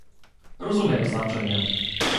Rozumiem znaczenie